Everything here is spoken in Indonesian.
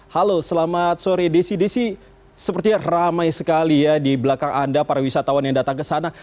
halo selamat sore desi desi sepertinya ramai sekali ya di belakang anda para wisatawan yang datang ke sana